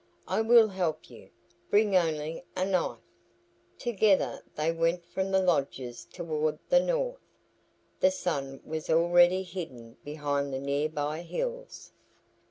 "I will help you. Bring only a knife." Together they went from the lodges toward the north. The sun was already hidden behind the nearby hills.